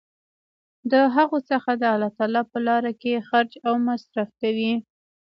د هغو څخه د الله تعالی په لاره کي خرچ او مصر ف کوي